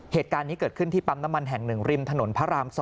เหตุการณ์นี้เกิดขึ้นที่ปั๊มน้ำมันแห่ง๑ริมถนนพระราม๒